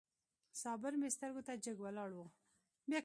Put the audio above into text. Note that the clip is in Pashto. صابر مې سترګو ته جګ ولاړ و.